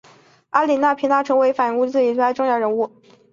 阿格里皮娜成了反提贝里乌斯一派的重要人物。